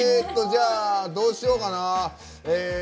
どうしようかな。